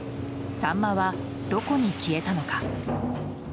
サンマはどこに消えたのか。